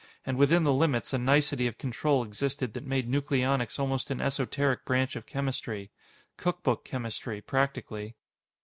And within the limits, a nicety of control existed that made nucleonics almost an esoteric branch of chemistry. Cookbook chemistry, practically.